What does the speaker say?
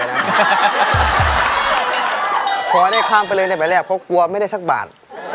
ขอให้ได้ข้ามไปเลยตั้งแต่แรกเพราะกลัวไม่ได้สักบาท